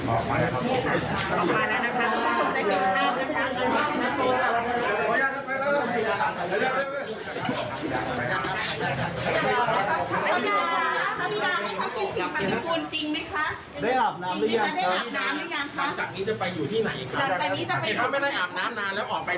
ออกไปจะอาบน้ำไหมครับพระบิดาครับ